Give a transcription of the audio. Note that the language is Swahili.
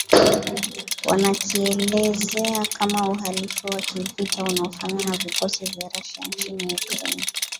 wanakielezea kama uhalifu wa kivita unaofanywa na vikosi vya Russia nchini Ukraine